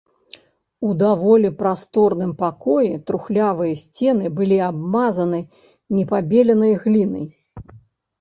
У даволі прасторным пакоі трухлявыя сцены былі абмазаны непабеленай глінай.